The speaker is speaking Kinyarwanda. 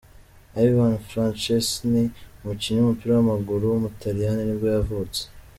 Ivan Franceschini, umukinnyi w’umupira w’amaguru w’umutaliyani nibwo yavutse.